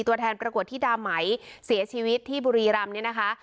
ตัวแทนประกวดที่ดาไหมเสียชีวิตที่บุรีรำเนี่ยนะคะ